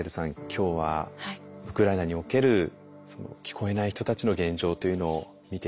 今日はウクライナにおける聞こえない人たちの現状というのを見てきました。